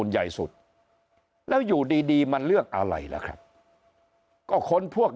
ใหญ่สุดแล้วอยู่ดีมันเลือกอะไรล่ะครับก็คนพวก